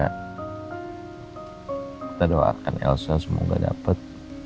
kita doakan elsa semoga dapat